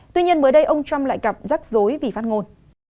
tuy nhiên mới đây ông trump lại gặp rắc rối vì phát ngôn